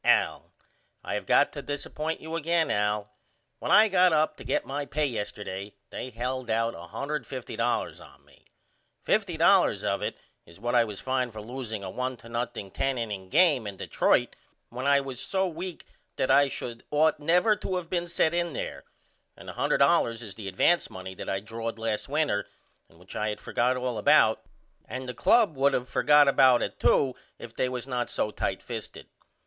AL: I have got to disappoint you again Al. When I got up to get my pay yesterday they held out $150.00 on me. $50.00 of it is what I was fined for loosing a 1 to 0 10 inning game in Detroit when I was so weak that I should ought never to of been sent in there and the $100.00 is the advance money that I drawed last winter and which I had forgot all about and the club would of forgot about it to if they was not so tight fisted.